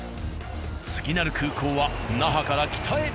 次なる空港は那覇から北へ。